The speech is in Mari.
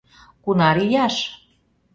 — Кунар ияш?